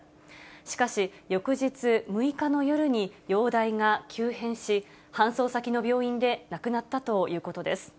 しかし、翌日６日の夜に容体が急変し、搬送先の病院で亡くなったということです。